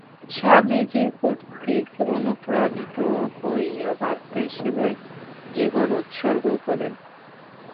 স্বামীজী কর্তৃক অনুপ্রাণিত হইয়া ভারতের সেবায় জীবন উৎসর্গ করেন।